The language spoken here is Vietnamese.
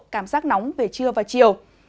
cảm giác nóng về trưa và chiều